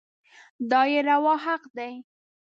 دا يې روا حق دی.